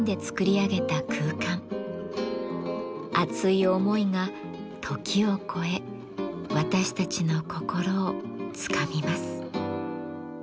熱い思いが時を超え私たちの心をつかみます。